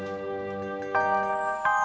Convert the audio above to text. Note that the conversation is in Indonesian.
mak mak mak